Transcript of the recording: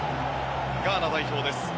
ガーナ代表です。